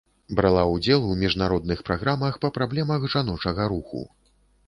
Брала ўдзел у міжнародных праграмах па праблемах жаночага руху.